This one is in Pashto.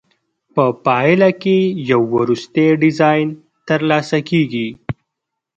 په پایله کې یو وروستی ډیزاین ترلاسه کیږي.